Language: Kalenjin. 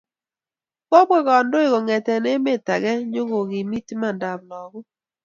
Kobwa kandoik kongete emet ake nyo kokimit imandab lagok